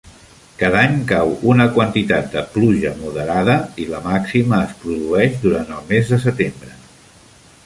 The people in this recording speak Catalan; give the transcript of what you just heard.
Cada any, cau una quantitat de pluja moderada, i la màxima es produeix durant el mes de setembre.